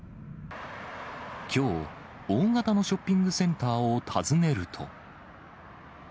きょう、大型のショッピングセンターを訪ねると。